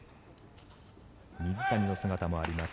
水谷の姿もあります。